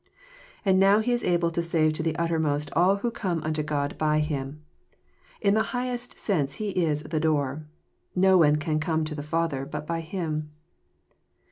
And now He is able to save to the uttermost all who come unto God by Him. In the highest sense He is '' the door." No one '' can come to the Father " but by Him.